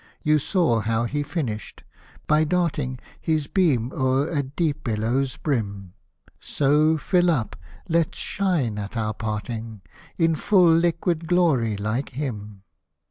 You saw how he finished, by darting His beam o'er a deep billow's brim — So, fill up, let's shine at our parting, In full liquid glory, like him.